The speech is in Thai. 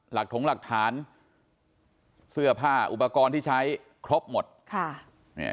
ถงหลักฐานเสื้อผ้าอุปกรณ์ที่ใช้ครบหมดค่ะเนี่ย